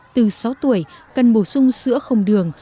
từ sáu tuổi cần bổ sung sữa không đường